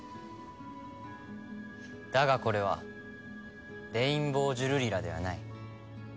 だがこれはレインボージュルリラではない。